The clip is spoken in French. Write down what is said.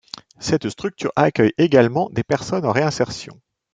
Cette structure accueille également des personnes en réinsertion.